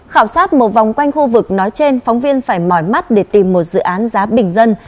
khảo sát một vòng quanh khu vực nói trên phóng viên phải mỏi mắt để tìm một dự án giá bình dân